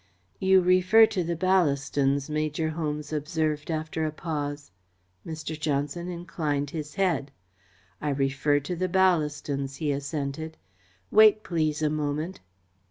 "You refer to the Ballastons," Major Holmes observed, after a pause. Mr. Johnson inclined his head. "I refer to the Ballastons," he assented. "Wait, please, a moment."